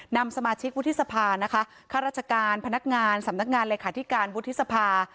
นำสมาชิกวุฒิสภานะคะข้าราชการพนักงานสำนักงานเลขาธิการวุฒิสภา